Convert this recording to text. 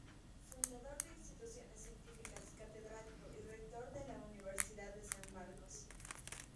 Fundador de instituciones científicas, catedrático y rector de la Universidad de San Marcos.